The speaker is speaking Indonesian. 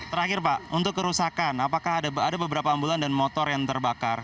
terakhir pak untuk kerusakan apakah ada beberapa ambulan dan motor yang terbakar